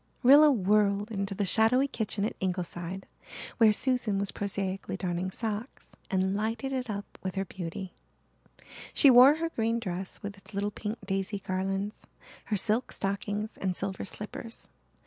Rilla whirled into the shadowy kitchen at Ingleside, where Susan was prosaically darning socks, and lighted it up with her beauty. She wore her green dress with its little pink daisy garlands, her silk stockings and silver slippers.